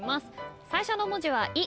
最初の文字は「い」